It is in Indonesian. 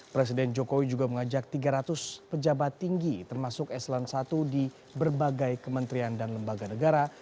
presiden jokowi juga mengajak tiga ratus pejabat tinggi termasuk eselon i di berbagai kementerian dan lembaga negara